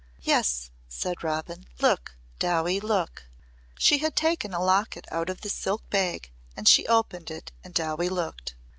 "Yes," said Robin. "Look, Dowie look." She had taken a locket out of the silk bag and she opened it and Dowie looked.